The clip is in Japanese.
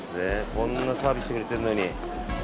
こんなにサービスしてくれてるのに。